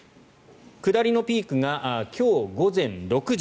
下りのピークが今日午前６時。